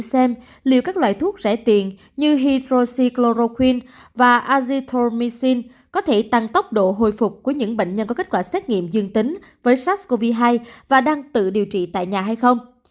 hãy xem liệu các loại thuốc rẻ tiền như hydroxychloroquine và azithromycin có thể tăng tốc độ hồi phục của những bệnh nhân có kết quả xét nghiệm dương tính với sars cov hai và đang tự điều trị tại nhà hay không